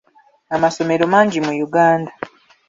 Amasomero mangi mu Uganda.